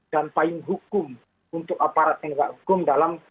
dan payung hukum untuk aparat tindak hukum dalam